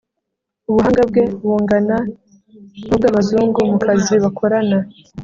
Ubuhanga bwe bungana n'ubw'Abazungu mu kazi bakorana